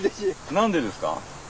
何でですか？